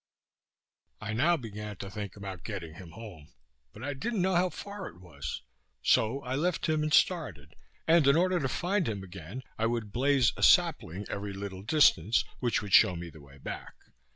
I now began to think about getting him home, but I didn't know how far it was. So I left him and started; and in order to find him again, I would blaze a sapling every little distance, which would show me the way back.